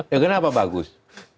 ya kenapa bagus